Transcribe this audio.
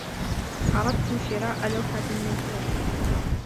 أردت شراء لوحة من توم.